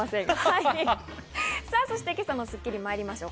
そして今朝の『スッキリ』まいりましょう。